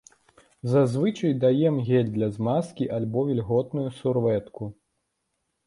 Зазвычай даем гель для змазкі альбо вільготную сурвэтку.